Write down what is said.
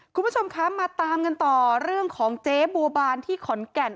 คุณผู้ชมคะมาตามกันต่อเรื่องของเจ๊บัวบานที่ขอนแก่น